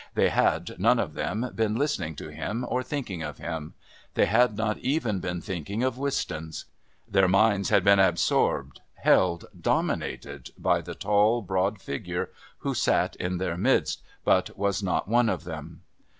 They had, none of them, been listening to him or thinking of him; they had not even been thinking of Wistons. Their minds had been absorbed, held, dominated by the tall broad figure who sat in their midst, but was not one of them.